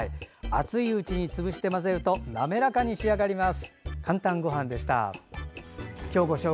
熱いうちに潰して混ぜると滑らかに仕上がります。